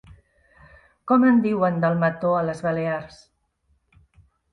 Com en diuen, del mató, a les Balears?